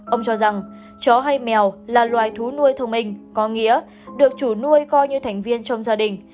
ông cho rằng chó hay mèo là loài thú nuôi thông minh có nghĩa được chủ nuôi coi như thành viên trong gia đình